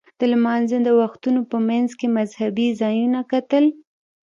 د لمانځه د وختونو په منځ کې مذهبي ځایونه کتل.